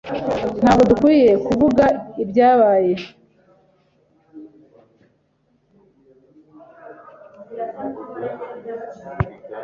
Ntabwo dukwiye kuvuga ibyabaye?